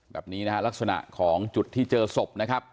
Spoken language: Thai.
แบบนี้นะฮะลักษณะของจุดที่เจอศพนะครับ